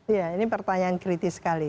iya ini pertanyaan kritis sekali